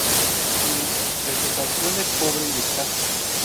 Su vegetación es pobre y escasa.